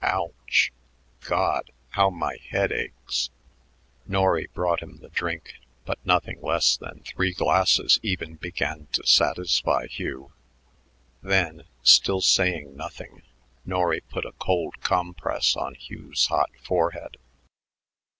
"Ouch! God, how my head aches!" Norry brought him the drink, but nothing less than three glasses even began to satisfy Hugh. Then, still saying nothing, Norry put a cold compress on Hugh's hot forehead.